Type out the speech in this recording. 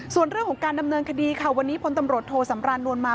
ส่วนเรื่องของการดำเนินคดีค่ะวันนี้พลตำรวจโทสำรานนวลมา